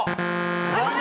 残念。